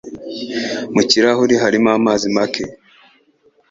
Mu kirahure harimo amazi make.